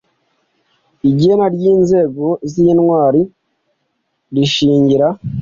igena ry'inzego z'intwari rishingira